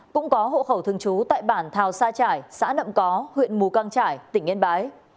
cũng có hộ khẩu thường trú tại bản thào sa trải xã nậm có huyện mù căng trải tỉnh yên bái